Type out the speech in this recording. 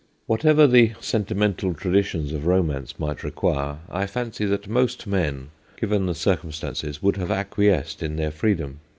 Whatever the senti mental traditions of romance might require, I fancy that most men, given the circum stances, would have acquiesced in their free dom.